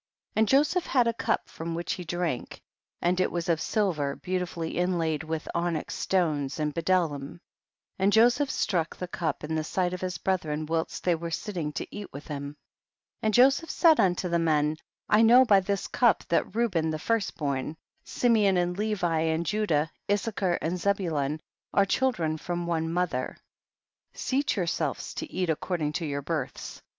And Joseph had a cup from which he drank, and it was of silver beautifully inlaid with onyx stones and bdellium, and Joseph struck the cup in the sight of his brethren whilst they were sitting to eat with him. 12. And Joseph said unto the men, I know by this cup that Reuben the first born, Simeon and Levi and Ju dah, Tssachar and Zebulun are child ren from one mother, seat yourselves to eat according to your births. 13.